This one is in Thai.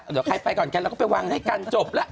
เดี๋ยวใครไปก่อนกันเราก็ไปวางให้กันจบแล้ว